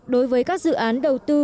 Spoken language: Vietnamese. đối với các dự án đầu tư